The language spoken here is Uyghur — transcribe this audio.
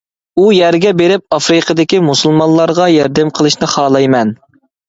-ئۇ يەرگە بېرىپ ئافرىقىدىكى مۇسۇلمانلارغا ياردەم قىلىشنى خالايمەن.